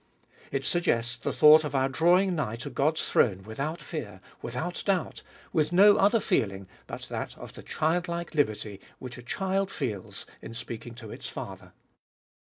It suggests the thought of our drawing nigh to God's throne without fear, without doubt, with no other feeling but that of the childlike liberty which a child feels in speaking to its father.